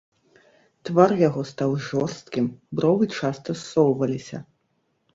Твар яго стаў жорсткім, бровы часта ссоўваліся.